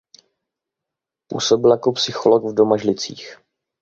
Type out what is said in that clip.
Působil jako psycholog v Domažlicích.